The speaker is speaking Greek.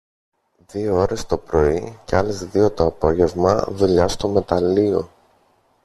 Δυο ώρες το πρωί και άλλες δυο το απόγεμα δουλειά στο μεταλλείο.